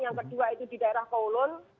yang kedua itu di daerah kolon